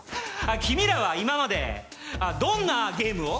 君らは今までどんなゲームを？